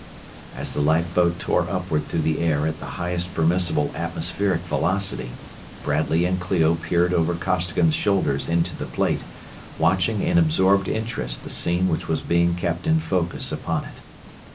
As the lifeboat tore upward through the air at the highest permissible atmospheric velocity Bradley and Clio peered over Costigan's shoulders into the plate, watching in absorbed interest the scene which was being kept in focus upon it.